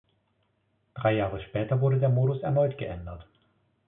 Drei Jahre später wurde der Modus erneut geändert.